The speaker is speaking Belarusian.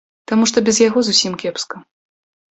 Таму што без яго зусім кепска.